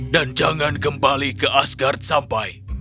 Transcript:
dan jangan kembali ke asgard sampai